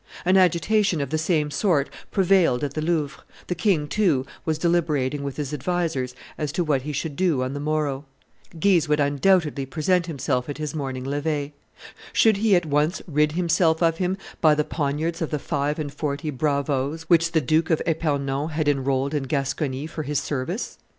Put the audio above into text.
An agitation of the same sort prevailed at the Louvre; the king, too, was deliberating with his advisers as to what he should do on the morrow: Guise would undoubtedly present himself at his morning levee; should he at once rid himself of him by the poniards of the five and forty bravoes which the Duke of Epernon had enrolled in Gascony for his service?